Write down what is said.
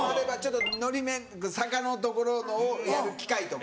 のり面坂の所のをやる機械とか。